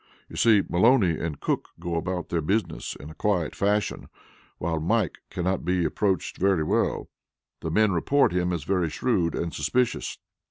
"You see, Maloney and Cook go about their business in a quiet fashion, while Mike cannot be approached very well; the men report him as very shrewd and suspicious."